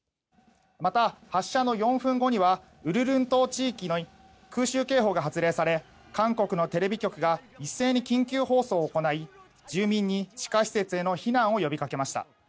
また、発射の４分後には鬱陵島地域の空襲警報が発令され韓国のテレビ局が一斉に緊急放送を行い住民に地下施設への避難を呼びかけました。